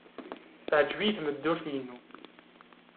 Teɛjeb-iyi tmeddurt-inu.